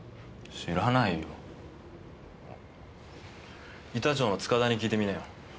知らないよ板長の塚田に聞いてみなよ